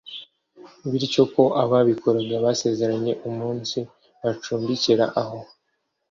bityo ko ababikoraga basezeranye uyu munsi bacumbikira aho